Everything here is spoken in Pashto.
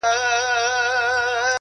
ستا د رخسار خبري ډيري ښې دي _